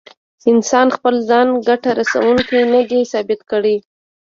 انسان خپل ځان ګټه رسوونکی نه دی ثابت کړی.